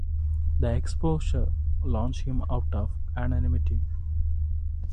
That exposure launched him out of anonymity.